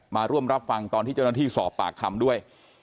มาร่วมรับฟังตอนที่เจ้าหน้าที่สอบปากคำด้วย